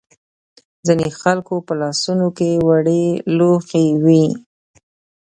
ځینو خلکو په لاسونو کې وړې لوحې وې.